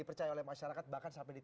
terima kasih prof faulun